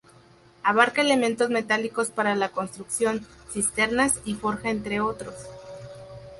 Abarca elementos metálicos para la construcción, cisternas y forja entre otros.